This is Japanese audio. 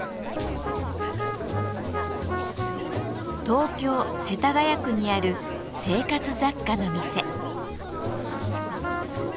東京・世田谷区にある生活雑貨の店。